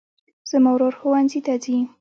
زما ورور ښوونځي ته ځي